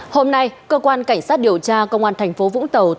hôm nay cơ quan cảnh sát điều tra công an thành phố vũng tàu